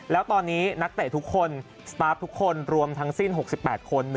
แล้วตอนนี้นักเตะทุกคนสตาร์ฟทุกคนรวมทั้งสิ้น๖๘คน